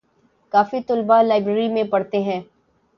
کافی طلبہ لائبریری میں پڑھتے ہیں